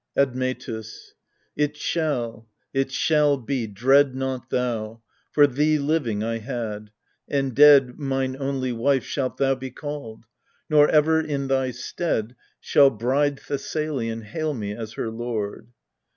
Admctus. It shall, it shall be, dread not thou : for thee Living I had ; and dead, mine only wife Shalt thou be called : nor ever in thy stead Shall bride Thessalian hail me as her lord.